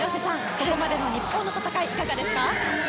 ここまでの日本の戦いいかがですか？